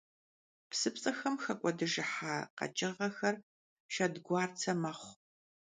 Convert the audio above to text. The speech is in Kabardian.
Psıpts'exem xek'uedıhıjja kheç'ığexer şşedguartse mexhu.